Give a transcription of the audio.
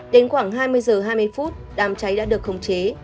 đến khoảng hai mươi h hai mươi phút đám cháy đã được khống chế